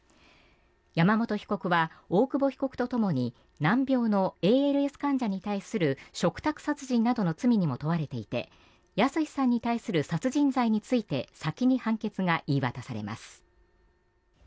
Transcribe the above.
山本被告は大久保被告とともに難病のＡＬＳ患者に対する嘱託殺人などの罪にも問われていて靖さんに対する殺人罪について先に判決が言い渡されます。